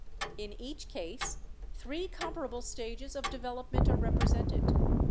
In each case three comparable stages of develop ment are represented.